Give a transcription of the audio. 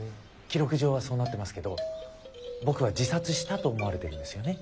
記録上はそうなってますけど僕は自殺したと思われてるんですよね？